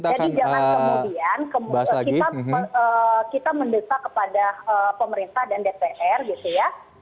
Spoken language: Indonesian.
jadi jangan kemudian kita mendesak kepada pemerintah dan dpr gitu ya